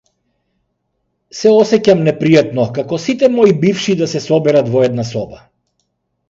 Се осеќам непријатно како сите мои бивши да се соберат во една соба.